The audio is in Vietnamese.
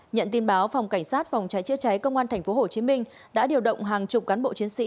nhận tin báo phòng cảnh sát phòng cháy chữa cháy công an tp hcm đã điều động hàng chục cán bộ chiến sĩ